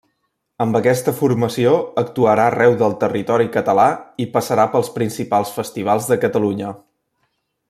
Amb aquesta formació actuarà arreu del territori català i passarà pels principals festivals de Catalunya.